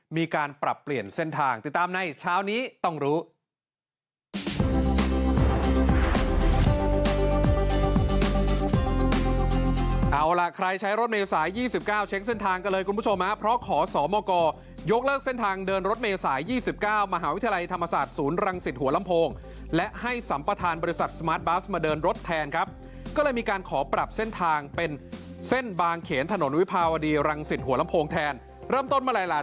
มีการปรับเปลี่ยนเส้นทางติดตามในเช้านี้ต้องรู้